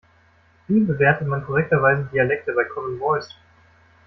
Wie bewertet man korrekterweise Dialekte bei Common Voice?